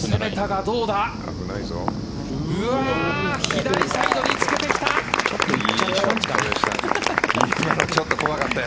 左サイドにつけてきた！